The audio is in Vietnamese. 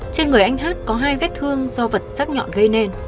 trên người anh hát có hai vết thương do vật xác nhọn gây nên